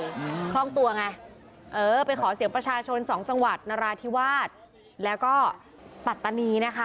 คล่องตัวไงเออไปขอเสียงประชาชนสองจังหวัดนราธิวาสแล้วก็ปัตตานีนะคะ